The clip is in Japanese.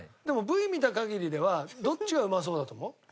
でもＶ見た限りではどっちがうまそうだと思う？